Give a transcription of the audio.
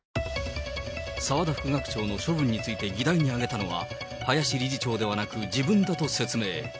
澤田副学長の処分について議題に上げたのは、林理事長ではなく、自分だと説明。